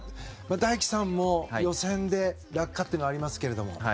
大輝さんも予選で落下というのはありますが。